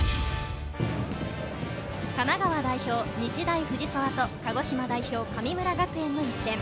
神奈川代表・日大藤沢と鹿児島代表・神村学園の一戦。